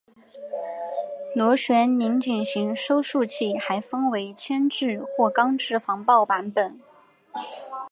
螺旋拧紧型收束器还分为铅制或钢制防爆版本。